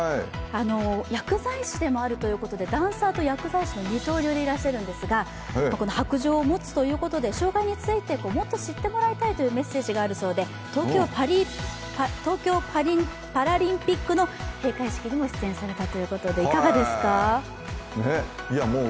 薬剤師でもあるということでダンサーと薬剤師の二刀流でいらっしゃるんですが、白杖を持つということで障害について、もっと知ってもらいたいというメッセージがあるそうで東京パラリンピックの閉会式にも出演されてます。